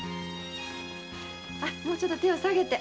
もうちょっと手を下げて。